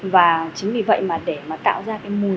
và chính vì vậy để tạo ra mùi